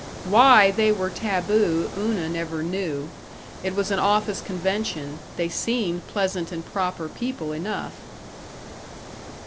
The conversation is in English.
Why they were taboo Una never knew; it was an office convention; they seemed pleasant and proper people enough.